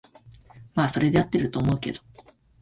まあそれで合ってると思うけど